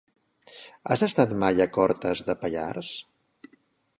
Has estat mai a Cortes de Pallars?